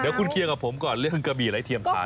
เดี๋ยวคุณเคลียร์กับผมก่อนเรื่องกะบี่ไร้เทียมทาน